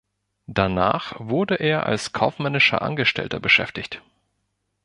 Danach wurde er als kaufmännischer Angestellter beschäftigt.